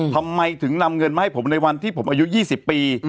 ทำไมถึงนำเงินมาให้ผมในวันที่ผมอายุ๒๐ปี